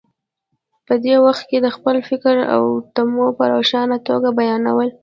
په دې وخت کې د خپل فکر او تمو په روښانه توګه بیانول.